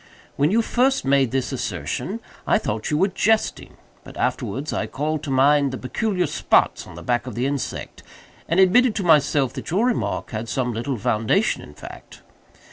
When you first made this assertion I thought you were jesting; but afterwards I called to mind the peculiar spots on the back of the insect, and admitted to myself that your remark had some little foundation in fact.